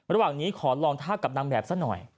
ระหว่างนี้ขอลองท่ากับนางแบบซะหน่อย